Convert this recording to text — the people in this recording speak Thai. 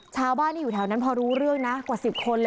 ชาวบ้านที่อยู่แถวนั้นพอรู้เรื่องนะกว่า๑๐คนเลย